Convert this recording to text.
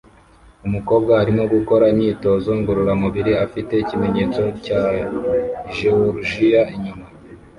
Umukobwa arimo gukora imyitozo ngororamubiri afite ikimenyetso cya Jeworujiya inyuma